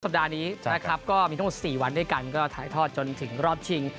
สัปดาห์นี้มีทั้ง๔วันทัยทอดเชอดจนถึงรอบจริง